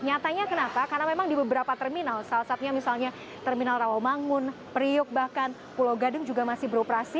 nyatanya kenapa karena memang di beberapa terminal salah satunya misalnya terminal rawamangun priuk bahkan pulau gadung juga masih beroperasi